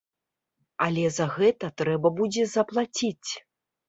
Але за гэта трэба будзе заплаціць.